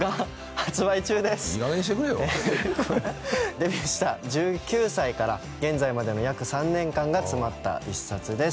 デビューした１９歳から現在までの約３年間が詰まった一冊です。